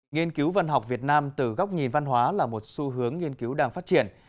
nghiên cứu văn học việt nam từ góc nhìn văn hóa là một xu hướng nghiên cứu đang phát triển